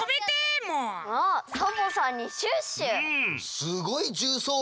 すごいじゅうそうびね！